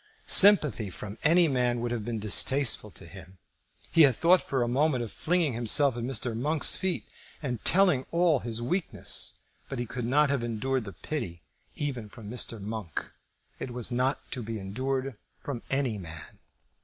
Sympathy from any man would have been distasteful to him. He had thought for a moment of flinging himself at Mr. Monk's feet and telling all his weakness; but he could not have endured pity even from Mr. Monk. It was not to be endured from any man.